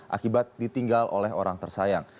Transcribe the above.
akibat ditinggal oleh orang tersayang